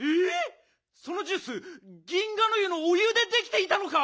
そのジュース銀河の湯のお湯でできていたのか！？